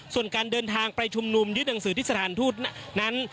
ส่วนการเดินทางไปชุมนุมยึดหนังสือที่สถานทูตนั้น